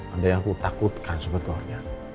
ada yang aku takutkan sebetulnya